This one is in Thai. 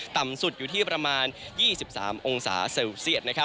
ต่ำสุดอยู่ที่ประมาณ๒๓องศาเซลเซียต